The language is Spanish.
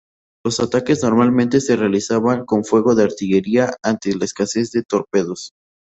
Los ataques normalmente se realizaban con fuego de artillería ante la escasez de torpedos.